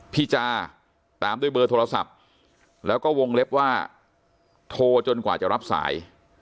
พี่จาตามด้วยเบอร์โทรศัพท์แล้วก็วงเล็บว่าโทรจนกว่าจะรับสาย